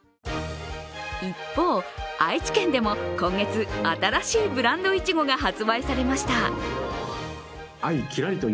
一方、愛知県でも今月、新しいブランドいちごが発売されました。